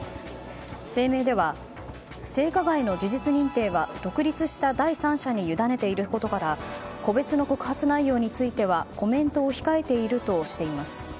声明では、性加害の事実認定は独立した第三者に委ねていることから個別の告発内容についてはコメントを控えているとしています。